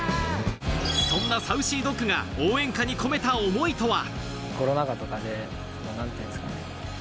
そんなＳａｕｃｙＤｏｇが応援歌に込めた思いとは？